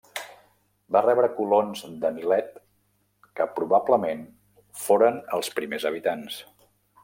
Va rebre colons de Milet que probablement foren els primers habitants.